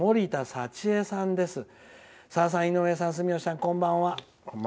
「さださん、井上さん、住吉さんこんばんは。